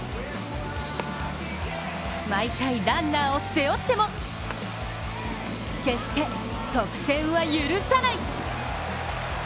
毎回ランナーを背負っても決して得点は許さない。